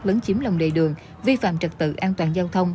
lấn chiếm lòng lề đường vi phạm trật tự an toàn giao thông